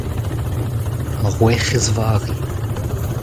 ar Werc'hez Vari.